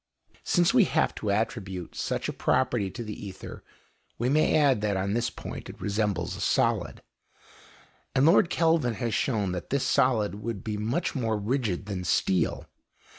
Since we have to attribute such a property to the ether, we may add that on this point it resembles a solid, and Lord Kelvin has shown that this solid, would be much more rigid than steel.